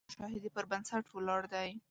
دا نظم د مشاهدې پر بنسټ ولاړ دی.